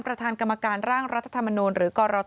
ประธานกรรมการร่างรัฐธรรมนูล